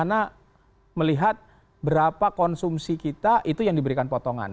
karena melihat berapa konsumsi kita itu yang diberikan potongan